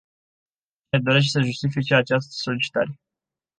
Cine dorește să justifice această solicitare?